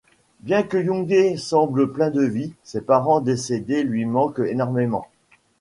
Bien que Younghee semble pleine de vie, ses parents décédés lui manquent énormément.